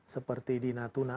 seperti di nusa tenggara